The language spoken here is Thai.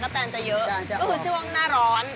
แตนจะเยอะก็คือช่วงหน้าร้อน